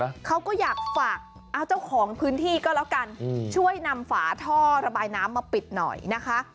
เขาก็อยากฝากเอาเจ้าของพื้นที่ก็แล้วกันอืมช่วยนำฝาท่อระบายน้ำมาปิดหน่อยนะคะ